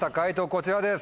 こちらです。